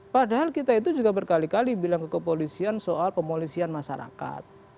padahal kita itu juga berkali kali bilang ke kepolisian soal pemolisian masyarakat